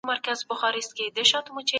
پيغمبر د حق ادا کوونکی و.